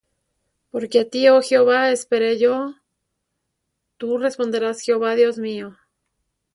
Porque á ti, oh Jehová, esperé yo: Tú responderás, Jehová Dios mío.